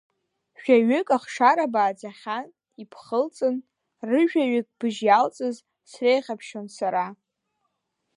Жәаҩык ахшара бааӡахьан ибхылҵын, рыжәаҩык быжь иалҵыз среиӷьабшьон сара.